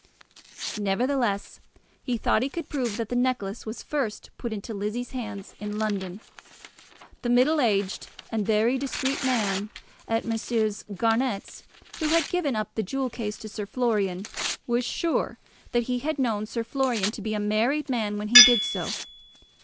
Nevertheless he thought he could prove that the necklace was first put into Lizzie's hands in London. The middle aged and very discreet man at Messrs. Garnett's, who had given up the jewel case to Sir Florian, was sure that he had known Sir Florian to be a married man when he did so.